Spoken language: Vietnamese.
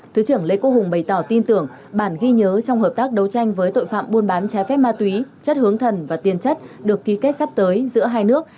thứ trưởng lê quốc hùng bày tỏ tin tưởng bản ghi nhớ trong hợp tác đấu tranh với tội phạm buôn bán trái phép ma túy chất hướng thần và tiền chất được ký kết sắp tới giữa hai nước